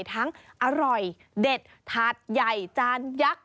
ทั้งอร่อยเด็ดทาสใหญ่จานยักษ์